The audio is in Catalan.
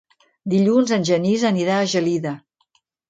Dilluns en Genís anirà a Gelida.